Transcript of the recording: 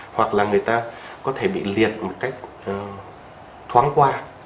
hoặc là người ta có thể bị liệt một cách thoáng qua